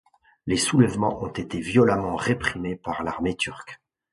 Les soulèvements ont été violemment réprimés par l'armée turque.